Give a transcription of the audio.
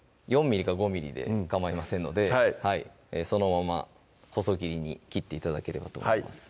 ４ｍｍか５ｍｍでかまいませんのでそのまま細切りに切って頂ければと思います